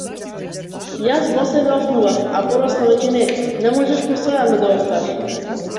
Јас во себе офнував, а подоцна веќе не, не можеш постојано да офкаш.